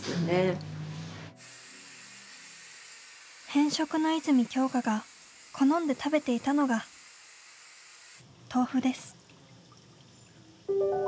偏食の泉鏡花が好んで食べていたのが豆腐です。